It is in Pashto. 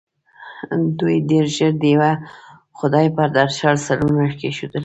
دوی ډېر ژر د یوه خدای پر درشل سرونه کېښول.